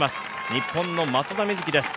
日本の松田瑞生です。